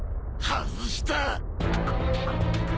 外した！